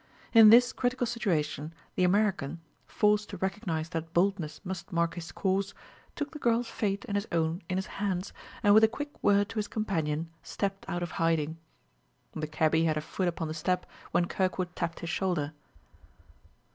In this critical situation the American, forced to recognize that boldness must mark his course, took the girl's fate and his own in his hands, and with a quick word to his companion, stepped out of hiding. The cabby had a foot upon the step when Kirkwood tapped his shoulder.